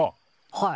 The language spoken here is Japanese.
はい。